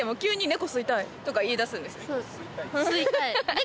吸いたい。